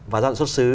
và dọn xuất xứ